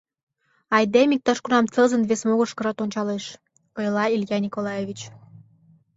— Айдеме иктаж-кунам тылзын вес могырышкыжат ончалеш, — ойла Илья Николаевич.